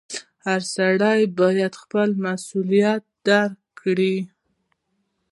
• هر سړی باید خپل مسؤلیت درک کړي.